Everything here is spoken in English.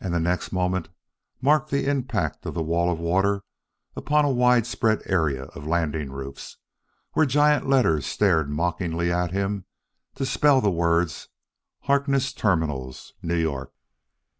And the next moment marked the impact of the wall of water upon a widespread area of landing roofs, where giant letters stared mockingly at him to spell the words: Harkness Terminals, New York.